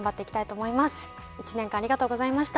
１年間ありがとうございました。